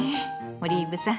オリーブさん